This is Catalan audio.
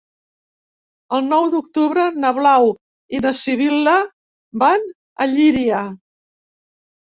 El nou d'octubre na Blau i na Sibil·la van a Llíria.